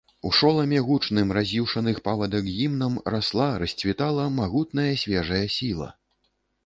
У шоламе гучным раз'юшаных павадак гімнам расла, расцвітала магутная свежая сіла.